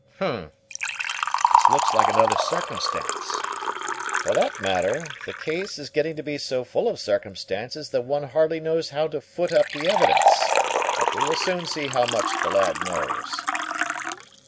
"Hum! this looks like another circumstance. For that matter, the case is getting to be so full of circumstances that one hardly knows how to foot up the evidence. But we will soon see how much the lad knows."